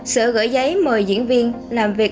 sở gửi giấy mời diễn viên làm việc